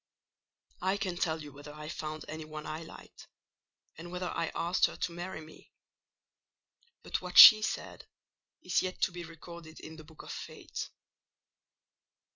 "I can tell you whether I found any one I liked, and whether I asked her to marry me: but what she said is yet to be recorded in the book of Fate.